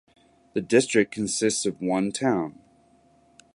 The district consists of one town.